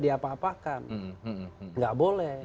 diapa apakan tidak boleh